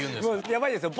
やばいですよ。